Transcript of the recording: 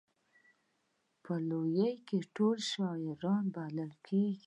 په لویه کې ټول اشاعره بلل کېږي.